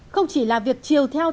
không chỉ là việc chiều theo thị